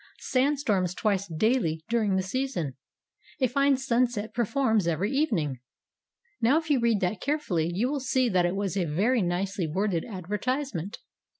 Sandstorms twice daily during the season. A fine sunset performs every evening." Now if you read that carefully you will see that it was a very nicely worded advertisement.